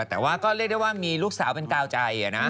แต่ว่าก็เรียกได้ว่ามีลูกสาวเป็นกาวใจนะ